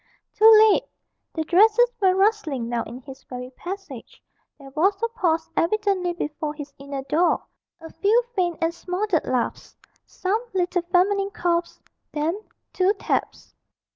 Too late! the dresses were rustling now in his very passage; there was a pause evidently before his inner door, a few faint and smothered laughs, some little feminine coughs, then two taps.